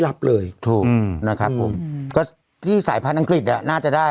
รับเลยทั้งเออที่สายพันธ์อังกฤษอ่ะน่าจะได้